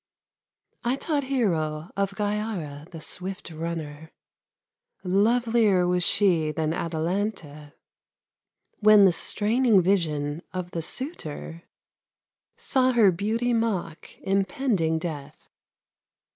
I taught Hero, of Gyara, the swift runner; Lovelier was she than Atalanta, When the straining vision of the suitor Saw her beauty mock impending death.